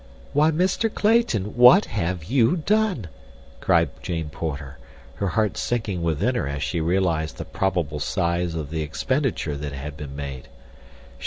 "Why, Mr. Clayton, what have you done?" cried Jane Porter, her heart sinking within her as she realized the probable size of the expenditure that had been made.